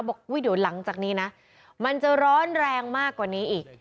อุ๊ยเดี๋ยวหลังจากนี้นะมันจะร้อนแรงมากกว่านี้อีก